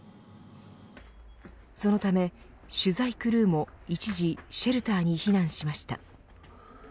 そのため、取材クルーも一時シェルターに避難しました。